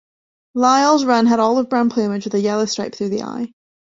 Lyall's wren had olive brown plumage with a yellow stripe through the eye.